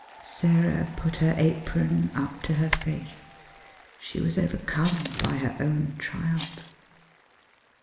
Sarah put her apron up to her face; she was overcome by her own triumph.